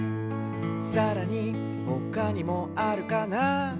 「さらにほかにもあるかな？」